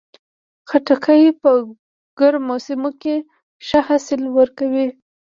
خټکی په ګرمو سیمو کې ښه حاصل ورکوي.